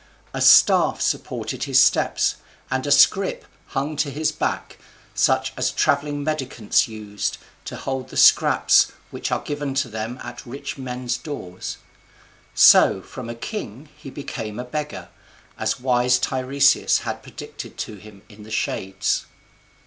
A staff supported his steps, and a scrip hung to his back, such as travelling mendicants used to hold the scraps which are given to them at rich men's doors. So from a king he became a beggar, as wise Tiresias had predicted to him in the shades.